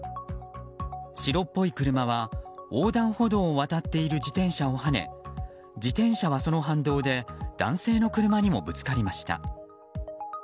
白っぽい車は横断歩道を渡っている自転車をはね自転車はその反動で男性の車にもぶつかりました。